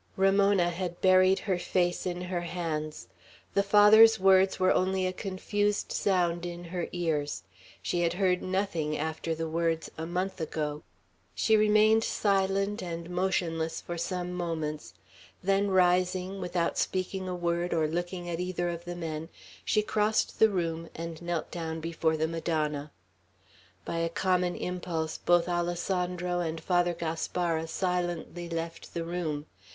Ramona had buried her face in her hands. The Father's words were only a confused sound in her ears. She had heard nothing after the words, "a month ago." She remained silent and motionless for some moments; then rising, without speaking a word, or looking at either of the men, she crossed the room and knelt down before the Madonna. By a common impulse, both Alessandro and Father Gaspara silently left the room.